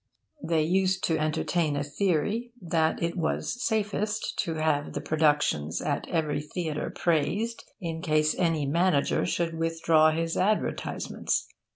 They used to entertain a theory that it was safest to have the productions at every theatre praised, in case any manager should withdraw his advertisements.